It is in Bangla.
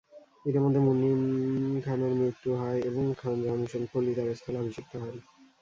ইতোমধ্যে মুনিম খানের মৃত্যু হয় এবং খান জাহান হুসেন কুলী তাঁর স্থলাভিষিক্ত হন।